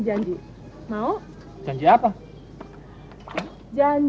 kalian air untuk pulang